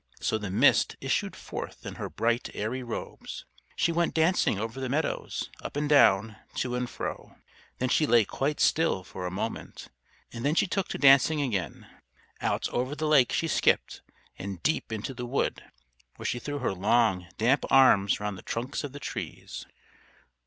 So the Mist issued forth in her bright, airy robes. She went dancing over the meadows, up and down, to and fro. Then she lay quite still for a moment, and then she took to dancing again. Out over the lake she skipped and deep into the wood, where she threw her long, damp arms round the trunks of the trees.